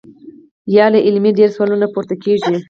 يا لا علمۍ ډېر سوالونه پورته کيږي -